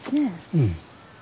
うん。